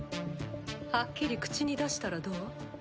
はっきり口に出したらどう？